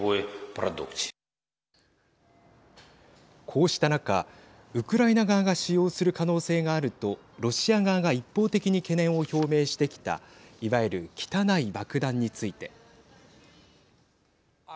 こうした中、ウクライナ側が使用する可能性があるとロシア側が一方的に懸念を表明してきたいわゆる汚い爆弾について。